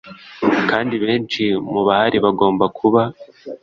kandi benshi mu bahari bagomba kuba